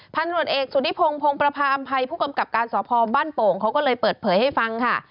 ตำรวจเอกสุธิพงศ์พงประพาอำภัยผู้กำกับการสพบ้านโป่งเขาก็เลยเปิดเผยให้ฟังค่ะ